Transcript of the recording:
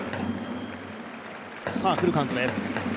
さあ、フルカウントです。